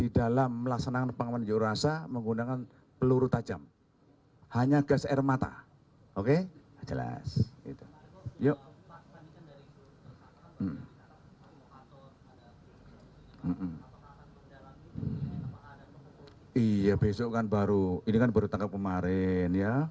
iya besok kan baru ini kan baru tangkap kemarin ya